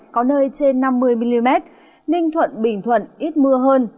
có nơi trên năm mươi mm ninh thuận bình thuận ít mưa hơn